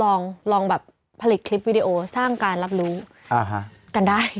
ลองแบบผลิตคลิปวิดีโอสร้างการรับรู้กันได้